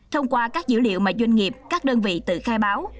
thông qua các dữ liệu mà doanh nghiệp các đơn vị tự khai báo